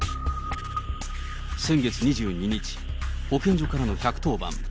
先月２２日、保健所からの１１０番。